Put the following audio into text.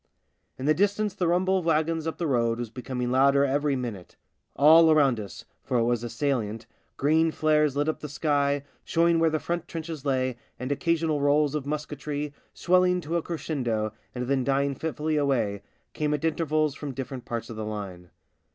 In the distance the rumble of wagons up the road was becoming louder every minute. All around us — for it was a salient — green flares lit up the sky, showing where the front trenches lay, and occasional rolls of musketry, swelling to a crescendo and then dying fitfully away, came at intervals from different parts of the line.